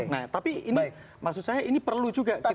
nah tapi ini maksud saya ini perlu juga